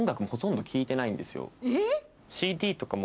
えっ！